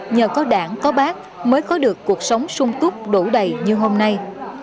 nhờ có đảng có bác mới có được cuộc sống sung túc đủ đầy như hôm nay